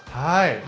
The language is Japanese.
はい。